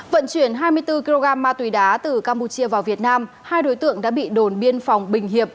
vận chuyển hai mươi bốn kg ma túy đá từ campuchia vào việt nam hai đối tượng đã bị đồn biên phòng bình hiệp